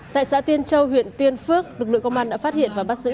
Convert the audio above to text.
tại xã tiên châu huyện tiên phước lực lượng công an đã phát hiện và bắt giữ